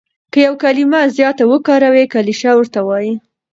که یو کلیمه زیاته وکاروې کلیشه ورته وايي.